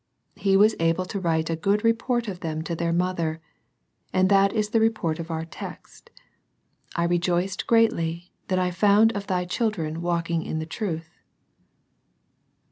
He was able to write a good report of them to their mother, and that is the report of our text :" I rejoiced greatly that I found of thy children walking in truth."